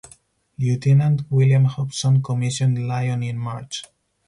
Lieutenant William Hobson commissioned "Lion" in March.